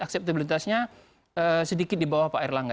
akseptabilitasnya sedikit di bawah pak erlangga